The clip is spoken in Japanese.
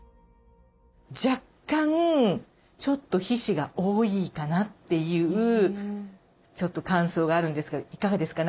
若干ちょっと皮脂が多いかなっていうちょっと感想があるんですがいかがですか？